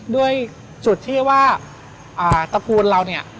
ด้วยจุดที่ว่าตระกูลเราเนี่ย